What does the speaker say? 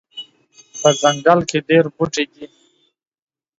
په ځنګل کې ډیر بوټي دي